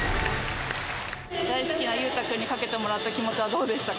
大好きな勇大君にかけてもらった気持ちはどうでしたか？